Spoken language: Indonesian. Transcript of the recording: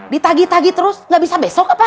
ditagi tagi terus nggak bisa besok apa